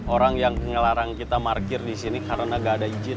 orang yang ngelarang kita parkir di sini karena gak ada izin